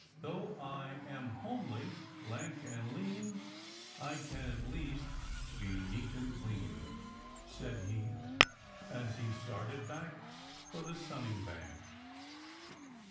"Though I am homely, lank and lean, I can at least be neat and clean," said he, as he started back for the sunning bank.